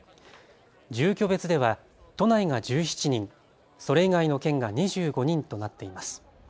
住居別では都内が１７人、それ以外の県が２５人となっています。